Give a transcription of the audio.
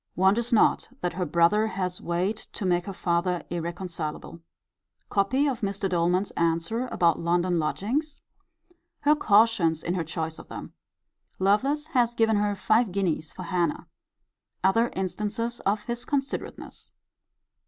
Wonders not that her brother has weight to make her father irreconcilable. Copy of Mr. Doleman's answer about London lodgings. Her caution in her choice of them. Lovelace has given her five guineas for Hannah. Other instances of his considerateness.